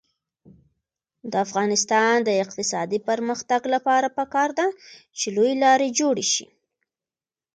د افغانستان د اقتصادي پرمختګ لپاره پکار ده چې لویې لارې جوړې شي.